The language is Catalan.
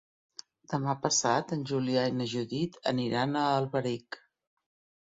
Demà passat en Julià i na Judit aniran a Alberic.